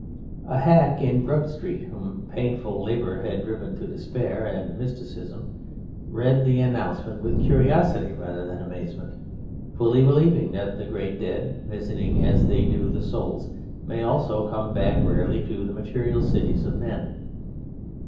A Hack in Grub Street whom Painful Labour had driven to Despair and Mysticism read the announcement with curiosity rather than amazement, fully believing that the Great Dead, visiting as they do the souls, may also come back rarely to the material cities of men.